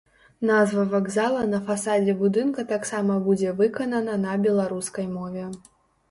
Назва вакзала на фасадзе будынка таксама будзе выканана на беларускай мове.